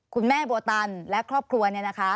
คุณแม่โบตันและครอบครัวเนี่ยนะคะ